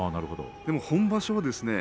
本場所はですね